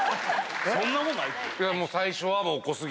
そんなことないですよ。